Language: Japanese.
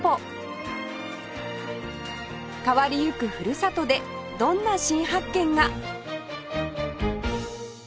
変わりゆくふるさとでどんな新発見が？